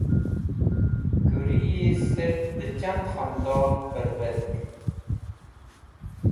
Kũriyi sirf dẽ chand khondon pẽrvetk.